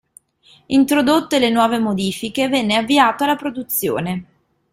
Introdotte le nuove modifiche venne avviato alla produzione.